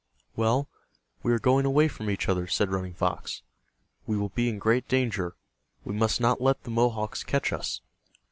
"Well, we are going away from each other," said Running Fox. "We will be in great danger. We must not let the Mohawks catch us."